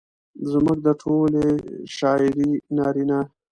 زموږ د ټولې شاعرۍ نارينه